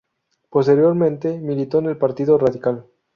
Posteriormente militó en el Partido Radical.